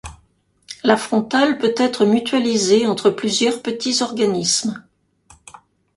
La frontal peut être mutualisé entre plusieurs petits organismes.